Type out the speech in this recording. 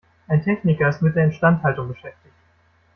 Ein Techniker ist mit der Instandhaltung beschäftigt.